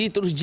i terus j